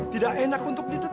tidak enak untuk didengar